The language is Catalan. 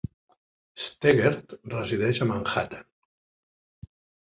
Steggert resideix a Manhattan.